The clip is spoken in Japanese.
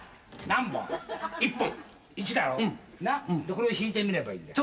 これを引いてみればいんだよ。